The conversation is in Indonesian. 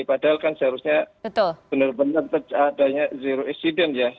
padahal kan seharusnya benar benar adanya zero accident ya